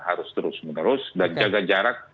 harus terus menerus dan jaga jarak